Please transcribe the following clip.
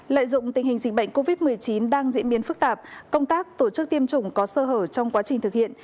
lợi dụng tình hình dịch bệnh covid một mươi chín đang diễn biến phức tạp công tác tổ chức tiêm chủng có sơ hở trong quá trình thực hiện